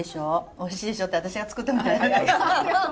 おいしいでしょって私が作ったみたい。